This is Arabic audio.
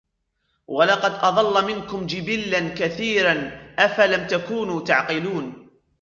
ولقد أضل منكم جبلا كثيرا أفلم تكونوا تعقلون